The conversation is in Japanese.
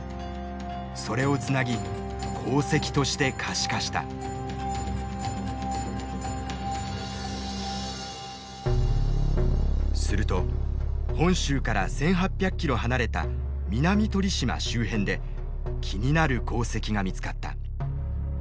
それをつなぎすると本州から１，８００キロ離れた南鳥島周辺で気になる航跡が見つかった。